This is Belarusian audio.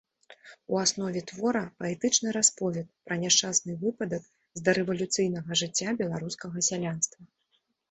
У аснове твора паэтычны расповед пра няшчасны выпадак з дарэвалюцыйнага жыцця беларускага сялянства.